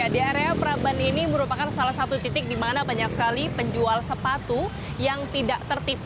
di area perabban ini merupakan salah satu titik dimana banyak sekali penjual sepatu yang tidak tertip